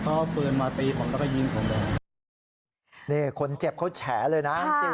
เขาเอาปืนมาตีผมแล้วก็ยิงผมเลยเนี่ยคนเจ็บเขาแฉเลยนะค่ะ